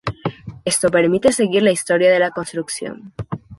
Esto permite seguir la historia de la construcción.